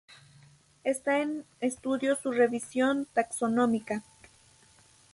Está en estudio su revisión taxonómica.